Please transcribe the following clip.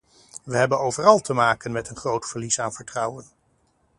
We hebben overal te maken met een groot verlies aan vertrouwen.